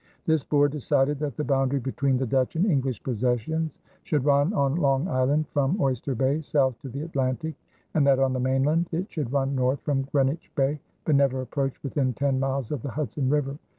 This board decided that the boundary between the Dutch and English possessions should run on Long Island from Oyster Bay south to the Atlantic, and that on the mainland it should run north from Greenwich Bay, but never approach within ten miles of the Hudson River.